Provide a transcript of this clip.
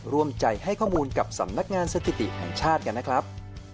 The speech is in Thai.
ร่วมใจให้ข้อมูลกับสำนักงานสถิติแห่งชาติกันนะครับ